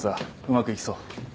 うまくいきそう？